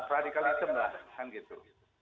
radikalisme lah kan gitu